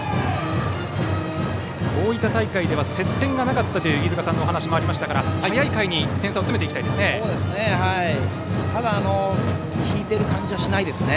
大分大会では接戦がなかったという飯塚さんのお話もありましたから早い回に点差を詰めていきたいですね。